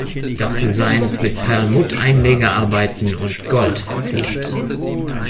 Das Design ist mit Perlmutt-Einlegearbeiten und Gold verziert.